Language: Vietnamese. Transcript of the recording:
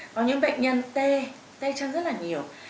có những bệnh nhân tê tê chân rất là nhiều